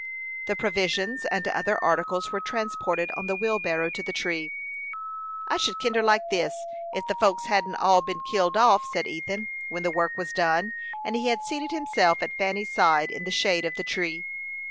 The provisions and other articles were transported on the wheelbarrow to the tree. "I should kinder like this, ef the folks hadn't all been killed off," said Ethan, when the work was done, and he had seated himself at Fanny's side, in the shade of the tree.